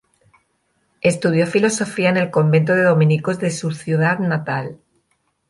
Estudió filosofía en el convento de dominicos de su ciudad natal.